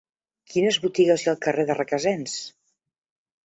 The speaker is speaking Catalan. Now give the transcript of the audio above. Quines botigues hi ha al carrer de Requesens?